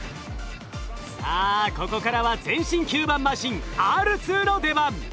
さあここからは全身吸盤マシンＲ２の出番。